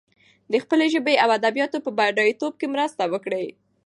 د خپلې ژبې او ادبياتو په بډايتوب کې مرسته وکړي.